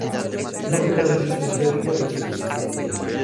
No quedó registro histórico de su existencia.